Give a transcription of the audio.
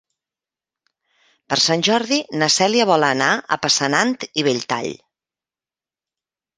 Per Sant Jordi na Cèlia vol anar a Passanant i Belltall.